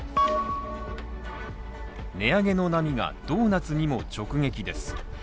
値上げの波がドーナツにも直撃です。